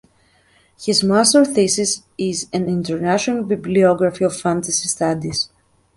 His Master’s thesis is: an international bibliography of fantasy studies.